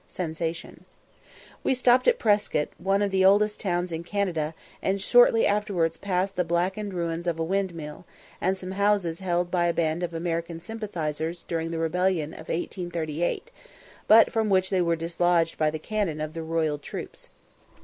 (Sensation.) We stopped at Prescott, one of the oldest towns in Canada, and shortly afterwards passed the blackened ruins of a windmill, and some houses held by a band of American "sympathisers" during the rebellion in 1838, but from which they were dislodged by the cannon of the royal troops.